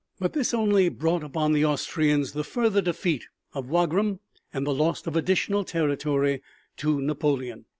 But this only brought upon the Austrians the further defeat of Wagram and the loss of additional territory to Napoleon.